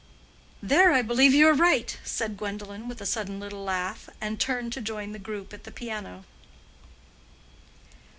"There I believe you are right," said Gwendolen, with a sudden little laugh, and turned to join the group at the piano.